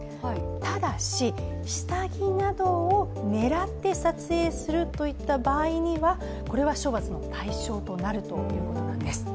ただし、下着などを狙って撮影するといった場合にはこれは処罰の対象となるということなんです。